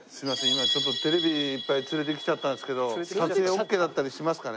今ちょっとテレビいっぱい連れてきちゃったんですけど撮影オッケーだったりしますかね？